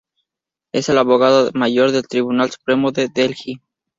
Él es abogado mayor del Tribunal Supremo de Delhi.